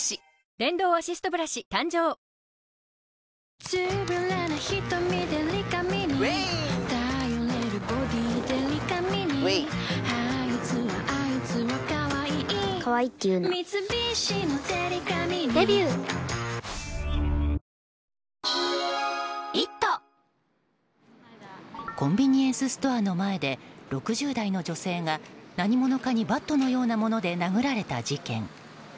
電動アシストブラシ誕生コンビニエンスストアの前で６０代の女性が何者かにバットのようなもので殴られた事件。